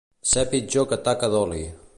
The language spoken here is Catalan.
Ser pitjor que taca d'oli.